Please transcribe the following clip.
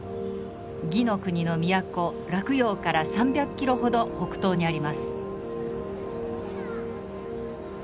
魏の国の都洛陽から３００キロほど北東にあります。